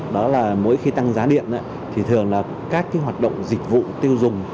đó là mỗi khi tăng giá điện thì thường các hoạt động dịch vụ tiêu dùng